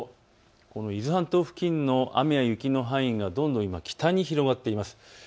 伊豆半島付近の雨や雪の範囲がどんどん北に広がっています。